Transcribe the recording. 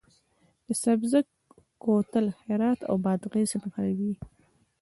د سبزک کوتل هرات او بادغیس نښلوي